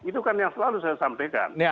itu kan yang selalu saya sampaikan